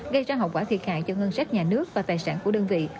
gây ra hậu quả thiệt hại cho ngân sách nhà nước và tài sản của đơn vị